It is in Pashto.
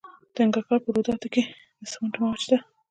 د ننګرهار په روداتو کې د سمنټو مواد شته.